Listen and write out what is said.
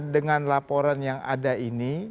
dengan laporan yang ada ini